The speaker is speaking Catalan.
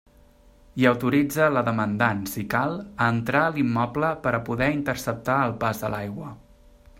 I autoritze la demandant, si cal, a entrar a l'immoble per a poder interceptar el pas de l'aigua.